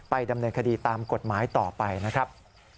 ดำเนินคดีตามกฎหมายต่อไปนะครับ